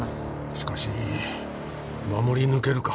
しかし守り抜けるか？